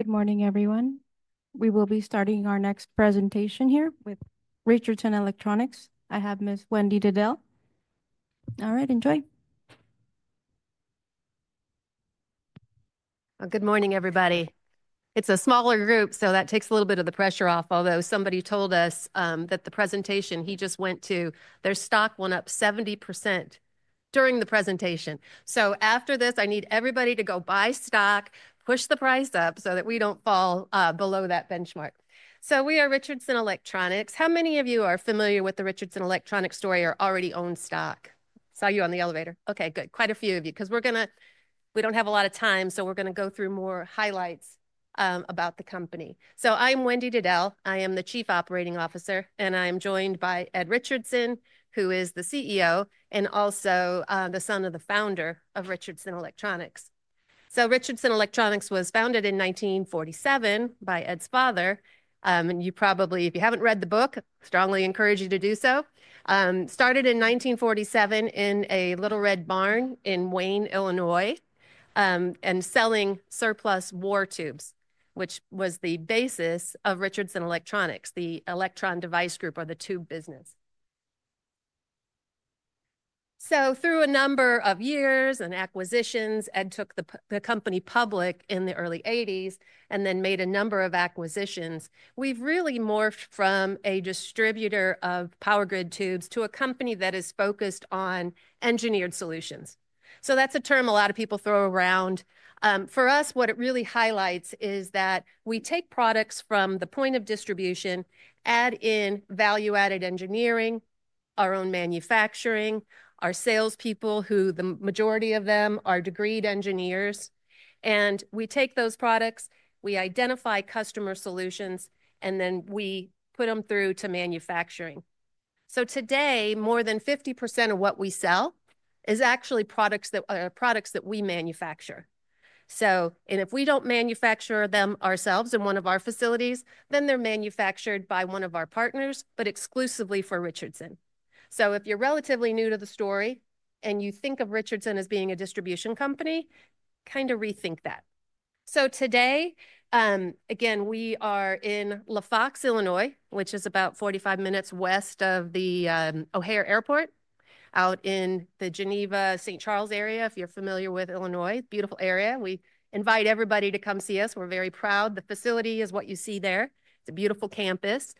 Good morning, everyone. We will be starting our next presentation here with Richardson Electronics. I have Ms. Wendy Diddell. All right, enjoy. Good morning, everybody. It's a smaller group, so that takes a little bit of the pressure off, although somebody told us that the presentation he just went to, their stock went up 70% during the presentation. After this, I need everybody to go buy stock, push the price up so that we don't fall below that benchmark. We are Richardson Electronics. How many of you are familiar with the Richardson Electronics story or already own stock? Saw you on the elevator. Okay, good. Quite a few of you, because we are going to—we don't have a lot of time, so we are going to go through more highlights about the company. I'm Wendy Diddell. I am the Chief Operating Officer, and I am joined by Ed Richardson, who is the CEO and also the son of the founder of Richardson Electronics. Richardson Electronics was founded in 1947 by Ed's father. You probably, if you haven't read the book, I strongly encourage you to do so. Started in 1947 in a little red barn in Wayne, Illinois, and selling surplus war tubes, which was the basis of Richardson Electronics, the electron device group or the tube business. Through a number of years and acquisitions, Ed took the company public in the early 1980s and then made a number of acquisitions. We've really morphed from a distributor of power grid tubes to a company that is focused on engineered solutions. That's a term a lot of people throw around. For us, what it really highlights is that we take products from the point of distribution, add in value-added engineering, our own manufacturing, our salespeople, who the majority of them are degreed engineers, and we take those products, we identify customer solutions, and then we put them through to manufacturing. Today, more than 50% of what we sell is actually products that are products that we manufacture. If we do not manufacture them ourselves in one of our facilities, then they are manufactured by one of our partners, but exclusively for Richardson. If you are relatively new to the story and you think of Richardson as being a distribution company, kind of rethink that. Today, again, we are in LaFox, Illinois, which is about 45 minutes west of the O'Hare Airport, out in the Geneva, St. Charles area, if you are familiar with Illinois, beautiful area. We invite everybody to come see us. We're very proud. The facility is what you see there. It's a beautiful campus.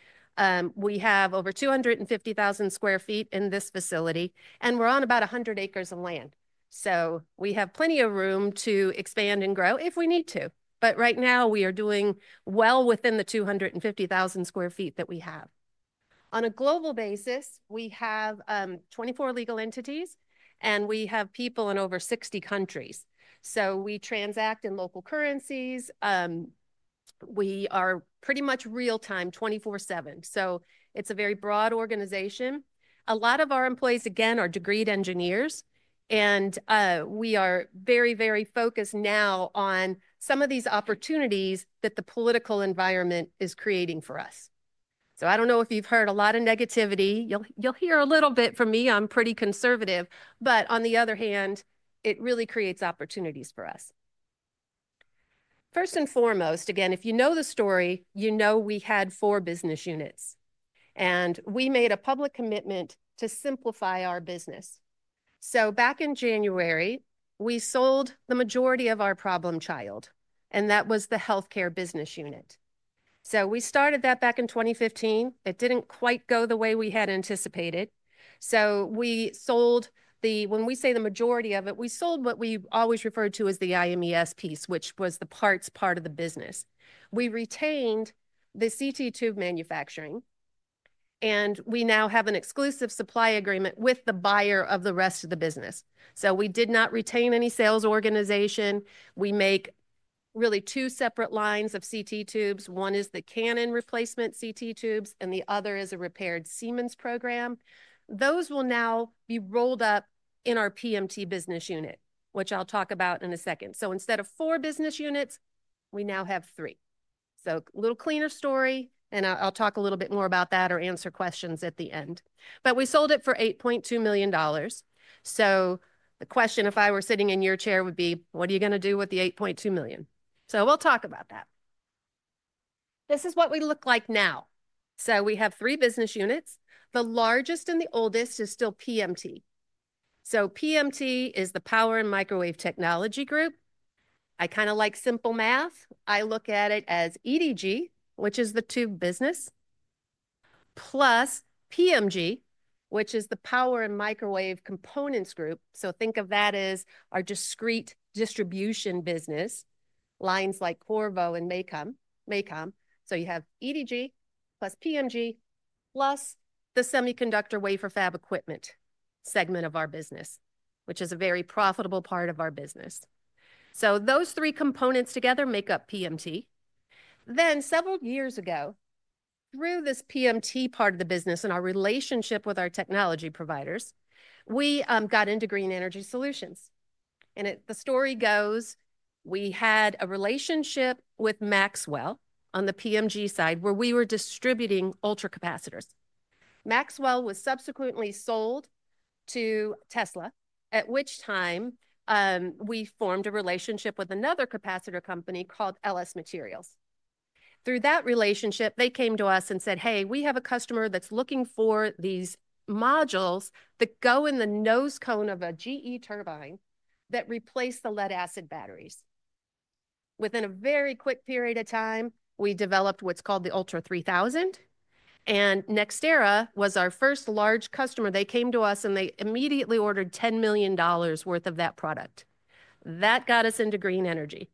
We have over 250,000 sq ft in this facility, and we're on about 100 acres of land. We have plenty of room to expand and grow if we need to. Right now, we are doing well within the 250,000 sq ft that we have. On a global basis, we have 24 legal entities, and we have people in over 60 countries. We transact in local currencies. We are pretty much real-time, 24/7. It's a very broad organization. A lot of our employees, again, are degreed engineers, and we are very, very focused now on some of these opportunities that the political environment is creating for us. I don't know if you've heard a lot of negativity. You'll hear a little bit from me. I'm pretty conservative, but on the other hand, it really creates opportunities for us. First and foremost, again, if you know the story, you know we had four business units, and we made a public commitment to simplify our business. Back in January, we sold the majority of our problem child, and that was the healthcare business unit. We started that back in 2015. It didn't quite go the way we had anticipated. We sold the—when we say the majority of it, we sold what we always referred to as the IMES piece, which was the parts part of the business. We retained the CT tube manufacturing, and we now have an exclusive supply agreement with the buyer of the rest of the business. We did not retain any sales organization. We make really two separate lines of CT tubes. One is the Canon replacement CT tubes, and the other is a repaired Siemens program. Those will now be rolled up in our PMT business unit, which I'll talk about in a second. Instead of four business units, we now have three. A little cleaner story, and I'll talk a little bit more about that or answer questions at the end. We sold it for $8.2 million. The question, if I were sitting in your chair, would be, what are you going to do with the $8.2 million? We'll talk about that. This is what we look like now. We have three business units. The largest and the oldest is still PMT. PMT is the power and microwave technology group. I kind of like simple math. I look at it as EDG, which is the tube business, plus PMG, which is the power and microwave components group. Think of that as our discrete distribution business, lines like Qorvo and MACOM. You have EDG plus PMG plus the semiconductor wafer fab equipment segment of our business, which is a very profitable part of our business. Those three components together make up PMT. Several years ago, through this PMT part of the business and our relationship with our technology providers, we got into green energy solutions. The story goes, we had a relationship with Maxwell on the PMG side where we were distributing ultracapacitors. Maxwell was subsequently sold to Tesla, at which time we formed a relationship with another capacitor company called LS Materials. Through that relationship, they came to us and said, "Hey, we have a customer that's looking for these modules that go in the nose cone of a GE turbine that replace the lead acid batteries." Within a very quick period of time, we developed what's called the Ultra 3000. NextEra was our first large customer. They came to us and they immediately ordered $10 million worth of that product. That got us into green energy.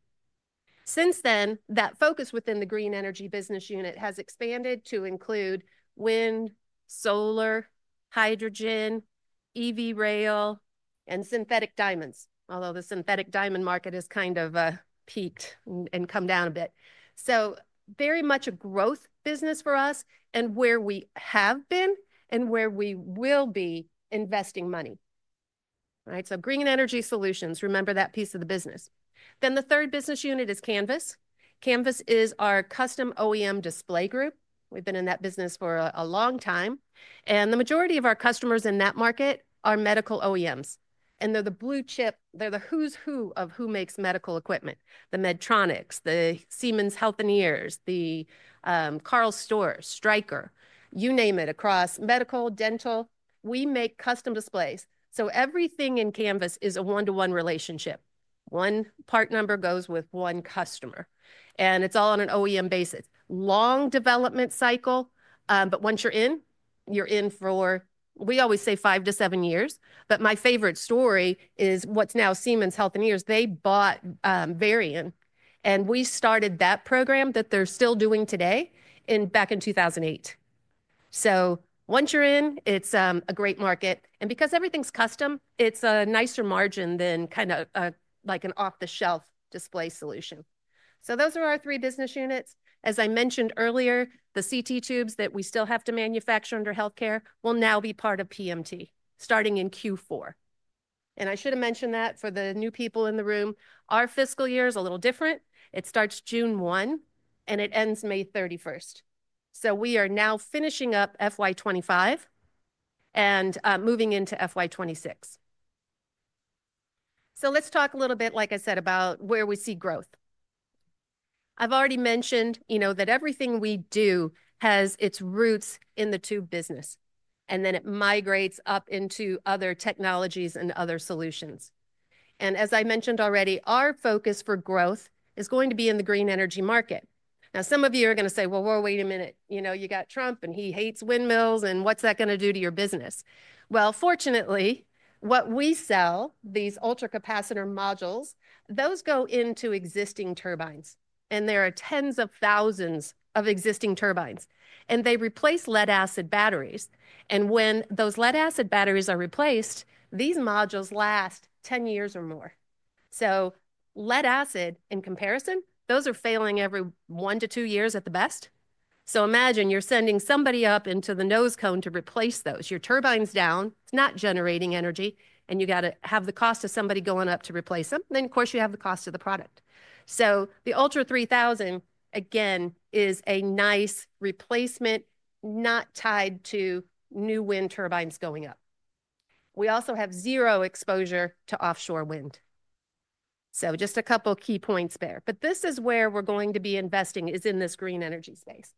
Since then, that focus within the green energy business unit has expanded to include wind, solar, hydrogen, EV rail, and synthetic diamonds, although the synthetic diamond market has kind of peaked and come down a bit. Very much a growth business for us and where we have been and where we will be investing money. All right, green energy solutions, remember that piece of the business. The third business unit is Canvas. Canvas is our custom OEM display group. We've been in that business for a long time. The majority of our customers in that market are medical OEMs. They're the blue chip. They're the who's who of who makes medical equipment: the Medtronics, the Siemens Healthineers, the Karl Storz, Stryker, you name it across medical, dental. We make custom displays. Everything in Canvas is a one-to-one relationship. One part number goes with one customer. It's all on an OEM basis. Long development cycle. Once you're in, you're in for, we always say five to seven years. My favorite story is what's now Siemens Healthineers. They bought Varian, and we started that program that they're still doing today back in 2008. Once you're in, it's a great market. Because everything's custom, it's a nicer margin than kind of like an off-the-shelf display solution. Those are our three business units. As I mentioned earlier, the CT tubes that we still have to manufacture under healthcare will now be part of PMT starting in Q4. I should have mentioned that for the new people in the room. Our fiscal year is a little different. It starts June 1, and it ends May 31. We are now finishing up FY2025 and moving into FY2026. Let's talk a little bit, like I said, about where we see growth. I've already mentioned that everything we do has its roots in the tube business, and then it migrates up into other technologies and other solutions. As I mentioned already, our focus for growth is going to be in the green energy market. Now, some of you are going to say, "Well, wait a minute, you know, you got Trump and he hates windmills, and what's that going to do to your business?" Fortunately, what we sell, these ultracapacitor modules, those go into existing turbines, and there are tens of thousands of existing turbines, and they replace lead acid batteries. When those lead acid batteries are replaced, these modules last 10 years or more. Lead acid, in comparison, those are failing every one to two years at the best. Imagine you're sending somebody up into the nose cone to replace those. Your turbine's down. It's not generating energy, and you got to have the cost of somebody going up to replace them. Of course, you have the cost of the product. The Ultra 3000, again, is a nice replacement, not tied to new wind turbines going up. We also have zero exposure to offshore wind. Just a couple of key points there. This is where we're going to be investing, in this green energy space.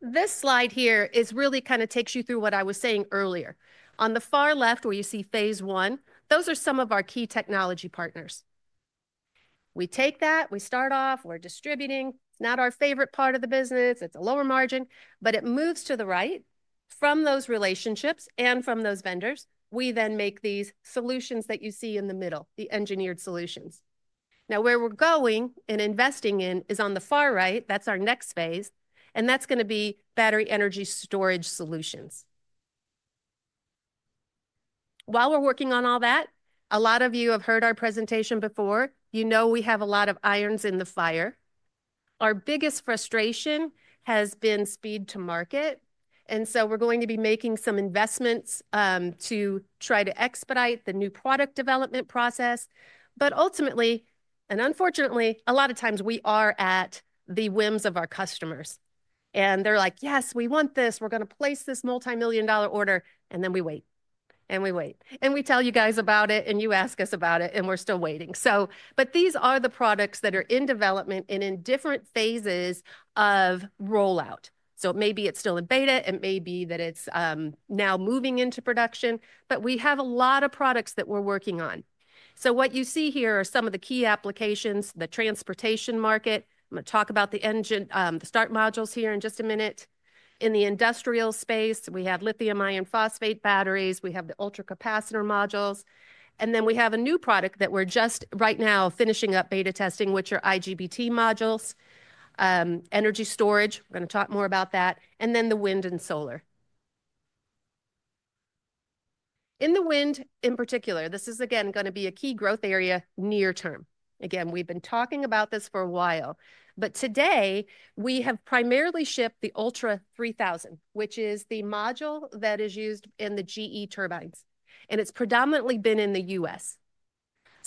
This slide here really kind of takes you through what I was saying earlier. On the far left, where you see phase I, those are some of our key technology partners. We take that, we start off, we're distributing. Not our favorite part of the business. It's a lower margin, but it moves to the right. From those relationships and from those vendors, we then make these solutions that you see in the middle, the engineered solutions. Now, where we're going and investing in is on the far right. That's our next phase, and that's going to be battery energy storage solutions. While we're working on all that, a lot of you have heard our presentation before. You know we have a lot of irons in the fire. Our biggest frustration has been speed to market, and so we're going to be making some investments to try to expedite the new product development process. Ultimately, and unfortunately, a lot of times we are at the whims of our customers, and they're like, "Yes, we want this. We're going to place this multi-million dollar order," and then we wait, and we wait, and we tell you guys about it, and you ask us about it, and we're still waiting. These are the products that are in development and in different phases of rollout. Maybe it's still in beta. It may be that it's now moving into production, but we have a lot of products that we're working on. What you see here are some of the key applications, the transportation market. I'm going to talk about the start modules here in just a minute. In the industrial space, we have lithium iron phosphate batteries. We have the ultracapacitor modules. Then we have a new product that we're just right now finishing up beta testing, which are IGBT modules, energy storage. We're going to talk more about that. The wind and solar. In the wind in particular, this is again going to be a key growth area near term. Again, we've been talking about this for a while, but today we have primarily shipped the Ultra 3000, which is the module that is used in the GE turbines, and it's predominantly been in the US.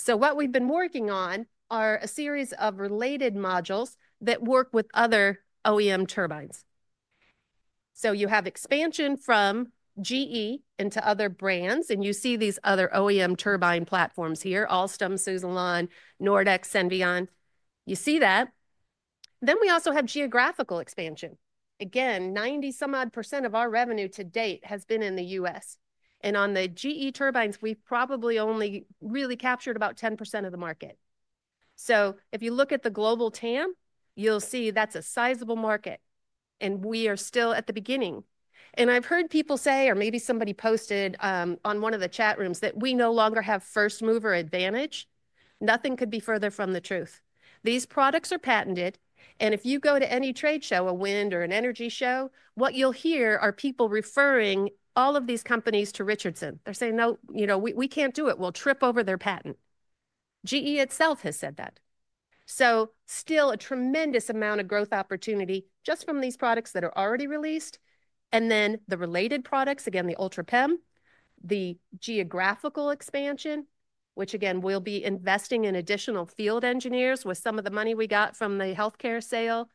What we've been working on are a series of related modules that work with other OEM turbines. You have expansion from GE into other brands, and you see these other OEM turbine platforms here, Alstom, Suzlon, Nordex, Senvion. You see that. We also have geographical expansion. Again, 90 some odd % of our revenue to date has been in the U.S. And on the GE turbines, we've probably only really captured about 10% of the market. If you look at the global TAM, you'll see that's a sizable market, and we are still at the beginning. I've heard people say, or maybe somebody posted on one of the chat rooms, that we no longer have first mover advantage. Nothing could be further from the truth. These products are patented, and if you go to any trade show, a wind or an energy show, what you'll hear are people referring all of these companies to Richardson. They're saying, "No, you know, we can't do it. We'll trip over their patent." GE itself has said that. Still a tremendous amount of growth opportunity just from these products that are already released. The related products, again, the Ultra PEM, the geographical expansion, which again, we'll be investing in additional field engineers with some of the money we got from the healthcare sale.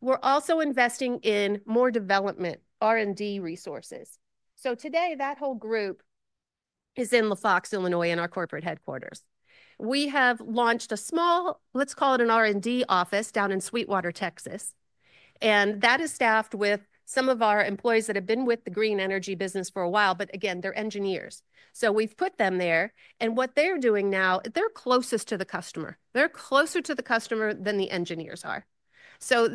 We're also investing in more development R&D resources. Today that whole group is in La Fox, Illinois, in our corporate headquarters. We have launched a small, let's call it an R&D office down in Sweetwater, Texas, and that is staffed with some of our employees that have been with the green energy business for a while, but again, they're engineers. We've put them there, and what they're doing now, they're closest to the customer. They're closer to the customer than the engineers are.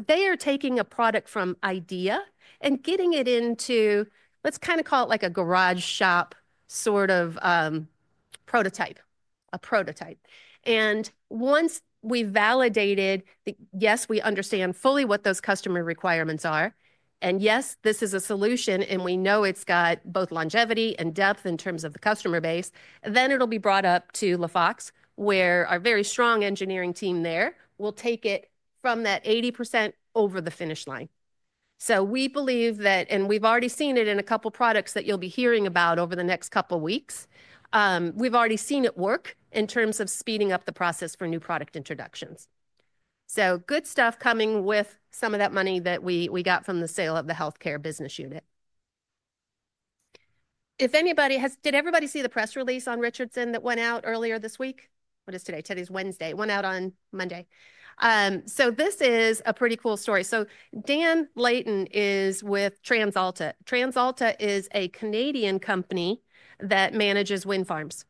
They are taking a product from idea and getting it into, let's kind of call it like a garage shop sort of prototype, a prototype. Once we've validated that, yes, we understand fully what those customer requirements are, and yes, this is a solution, and we know it's got both longevity and depth in terms of the customer base, then it'll be brought up to La Fox, where our very strong engineering team there will take it from that 80% over the finish line. We believe that, and we've already seen it in a couple of products that you'll be hearing about over the next couple of weeks. We've already seen it work in terms of speeding up the process for new product introductions. Good stuff coming with some of that money that we got from the sale of the healthcare business unit. If anybody has, did everybody see the press release on Richardson that went out earlier this week? What is today? Today's Wednesday. It went out on Monday. This is a pretty cool story. Dan Leighton is with TransAlta. TransAlta is a Canadian company that manages wind farms.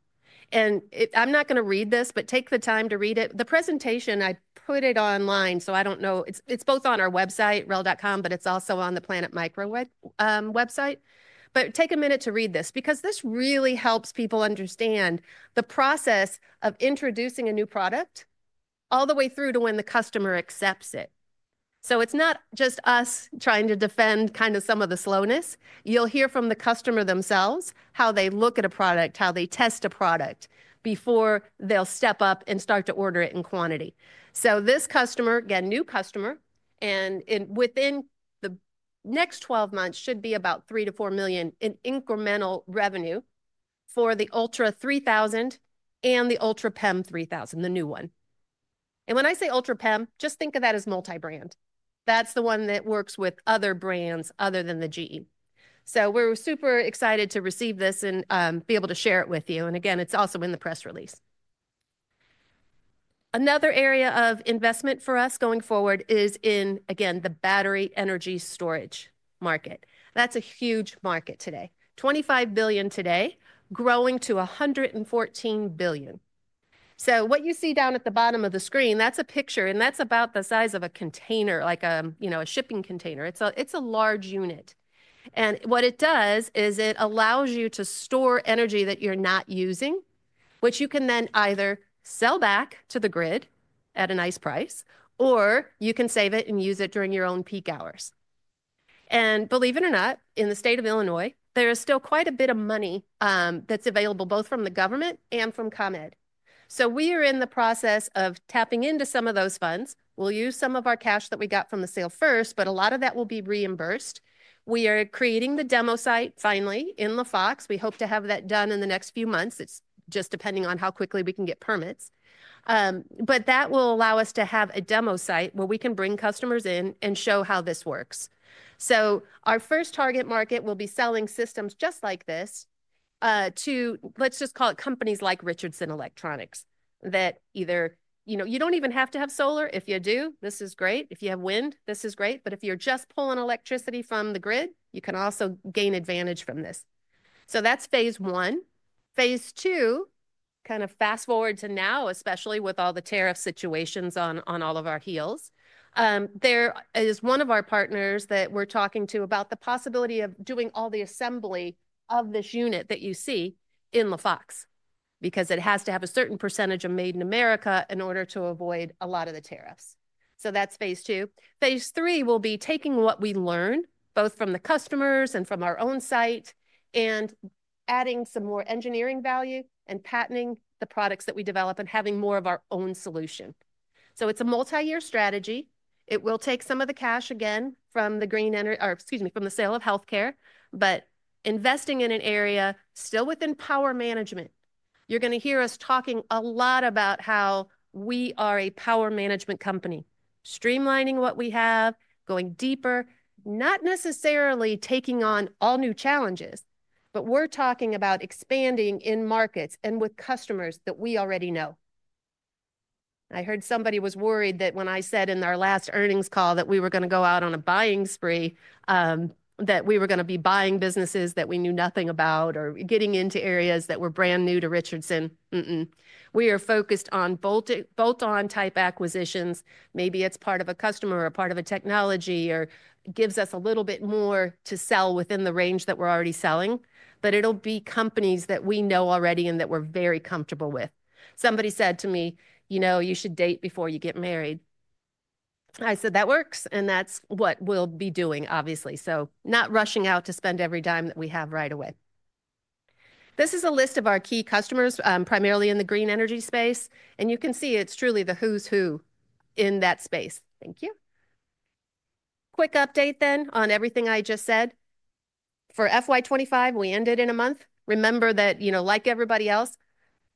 I'm not going to read this, but take the time to read it. The presentation, I put it online, so I don't know. It's both on our website, rell.com, but it's also on the Planet Microwave website. Take a minute to read this because this really helps people understand the process of introducing a new product all the way through to when the customer accepts it. It is not just us trying to defend kind of some of the slowness. You will hear from the customer themselves how they look at a product, how they test a product before they will step up and start to order it in quantity. This customer, again, new customer, and within the next 12 months should be about $3 million-$4 million in incremental revenue for the Ultra 3000 and the Ultra PEM 3000, the new one. When I say Ultra PEM, just think of that as multi-brand. That is the one that works with other brands other than the GE. We are super excited to receive this and be able to share it with you. It is also in the press release. Another area of investment for us going forward is in, again, the battery energy storage market. That is a huge market today. $25 billion today, growing to $114 billion. What you see down at the bottom of the screen, that's a picture, and that's about the size of a container, like a, you know, a shipping container. It's a large unit. What it does is it allows you to store energy that you're not using, which you can then either sell back to the grid at a nice price, or you can save it and use it during your own peak hours. Believe it or not, in the state of Illinois, there is still quite a bit of money that's available both from the government and from ComEd. We are in the process of tapping into some of those funds. We'll use some of our cash that we got from the sale first, but a lot of that will be reimbursed. We are creating the demo site finally in La Fox. We hope to have that done in the next few months. It is just depending on how quickly we can get permits. That will allow us to have a demo site where we can bring customers in and show how this works. Our first target market will be selling systems just like this to, let's just call it companies like Richardson Electronics that either, you know, you do not even have to have solar. If you do, this is great. If you have wind, this is great. If you are just pulling electricity from the grid, you can also gain advantage from this. That is phase I. Phase II, kind of fast forward to now, especially with all the tariff situations on all of our heels. There is one of our partners that we're talking to about the possibility of doing all the assembly of this unit that you see in La Fox because it has to have a certain percentage of made in America in order to avoid a lot of the tariffs. That is phase II. Phase III will be taking what we learn both from the customers and from our own site and adding some more engineering value and patenting the products that we develop and having more of our own solution. It is a multi-year strategy. It will take some of the cash again from the green energy, or excuse me, from the sale of healthcare, but investing in an area still within power management. You're going to hear us talking a lot about how we are a power management company, streamlining what we have, going deeper, not necessarily taking on all new challenges, but we're talking about expanding in markets and with customers that we already know. I heard somebody was worried that when I said in our last earnings call that we were going to go out on a buying spree, that we were going to be buying businesses that we knew nothing about or getting into areas that were brand new to Richardson. We are focused on bolt-on type acquisitions. Maybe it's part of a customer or part of a technology or gives us a little bit more to sell within the range that we're already selling, but it'll be companies that we know already and that we're very comfortable with. Somebody said to me, you know, you should date before you get married. I said, that works, and that's what we'll be doing, obviously. Not rushing out to spend every dime that we have right away. This is a list of our key customers, primarily in the green energy space, and you can see it's truly the who's who in that space. Thank you. Quick update then on everything I just said. For FY2025, we ended in a month. Remember that, you know, like everybody else,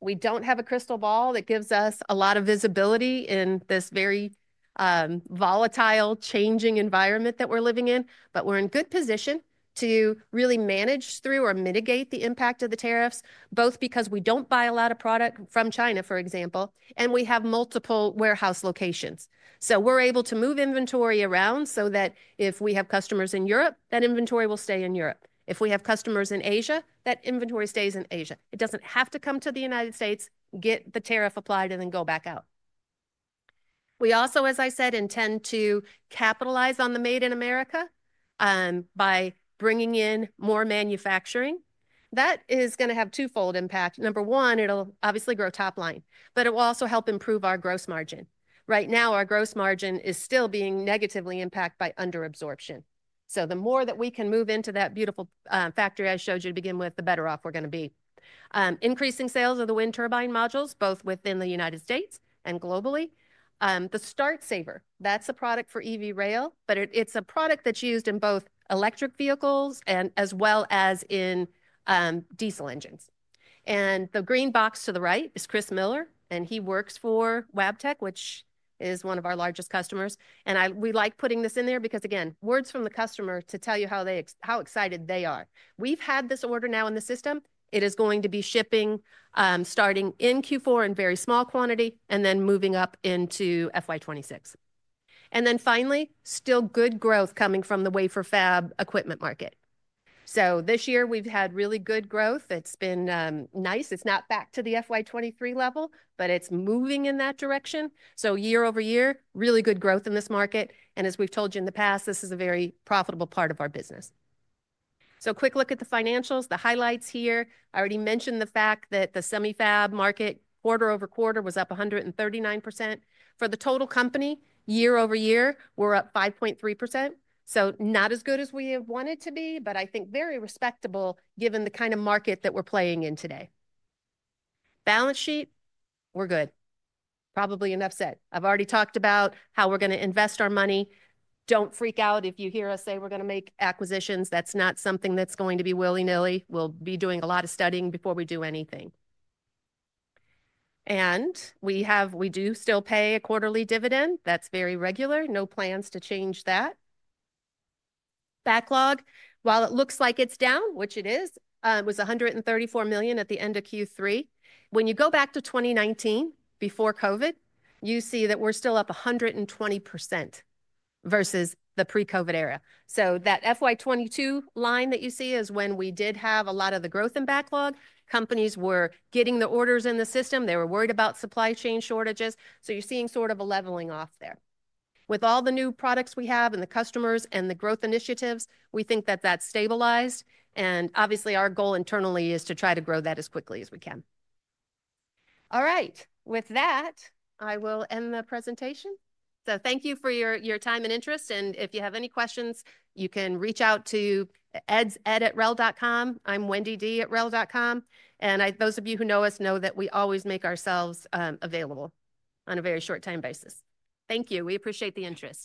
we don't have a crystal ball that gives us a lot of visibility in this very volatile, changing environment that we're living in, but we're in good position to really manage through or mitigate the impact of the tariffs, both because we don't buy a lot of product from China, for example, and we have multiple warehouse locations. We're able to move inventory around so that if we have customers in Europe, that inventory will stay in Europe. If we have customers in Asia, that inventory stays in Asia. It doesn't have to come to the United States, get the tariff applied, and then go back out. We also, as I said, intend to capitalize on the made in America by bringing in more manufacturing. That is going to have twofold impact. Number one, it'll obviously grow top line, but it will also help improve our gross margin. Right now, our gross margin is still being negatively impacted by underabsorption. The more that we can move into that beautiful factory I showed you to begin with, the better off we're going to be. Increasing sales of the wind turbine modules, both within the United States and globally. The Start Saver, that's a product for EV rail, but it's a product that's used in both electric vehicles and as well as in diesel engines. The green box to the right is Chris Miller, and he works for Wabtec, which is one of our largest customers. We like putting this in there because, again, words from the customer to tell you how excited they are. We've had this order now in the system. It is going to be shipping starting in Q4 in very small quantity and then moving up into FY2026. Finally, still good growth coming from the wafer fab equipment market. This year we've had really good growth. It's been nice. It's not back to the FY2023 level, but it's moving in that direction. Year-over-year, really good growth in this market. As we have told you in the past, this is a very profitable part of our business. Quick look at the financials, the highlights here. I already mentioned the fact that the semi-fab market quarter over quarter was up 139%. For the total company, year-over-year, we are up 5.3%. Not as good as we want it to be, but I think very respectable given the kind of market that we are playing in today. Balance sheet, we are good. Probably enough said. I have already talked about how we are going to invest our money. Do not freak out if you hear us say we are going to make acquisitions. That is not something that is going to be willy-nilly. We will be doing a lot of studying before we do anything. We do still pay a quarterly dividend. That is very regular. No plans to change that. Backlog? while it looks like it's down, which it is, it was $134 million at the end of Q3. When you go back to 2019, before COVID, you see that we're still up 120% versus the pre-COVID era. That FY2022 line that you see is when we did have a lot of the growth in backlog. Companies were getting the orders in the system. They were worried about supply chain shortages. You are seeing sort of a leveling off there. With all the new products we have and the customers and the growth initiatives, we think that that's stabilized. Obviously, our goal internally is to try to grow that as quickly as we can. All right, with that, I will end the presentation. Thank you for your time and interest. If you have any questions, you can reach out to eds@rell.com. I'm WendyD@rell.com. Those of you who know us know that we always make ourselves available on a very short time basis. Thank you. We appreciate the interest.